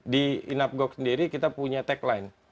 di inapgok sendiri kita punya tagline